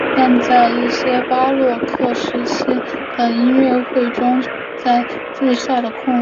但在一些巴洛克时期的音乐中会写在最下的空位。